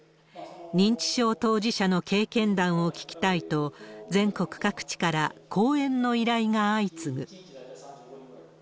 認知症当事者の経験談を聞きたいと、全国各地から講演の依頼が相次ぐ。